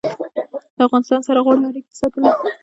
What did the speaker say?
له افغانستان سره غوره اړیکې ساتلي